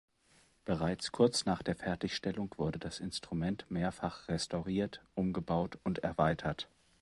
Bereits kurz nach der Fertigstellung wurde das Instrument mehrfach restauriert, umgebaut und erweitert.